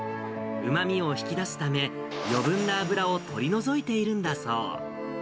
うまみを引き出すため、余分な油を取り除いているんだそう。